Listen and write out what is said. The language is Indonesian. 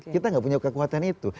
kita nggak punya kekuatan itu